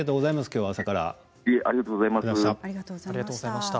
朝から、ありがとうございました。